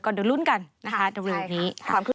ก็เดินรุนกันนะคะตรงเรื่องนี้